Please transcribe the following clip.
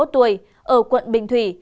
hai mươi một tuổi ở quận bình thủy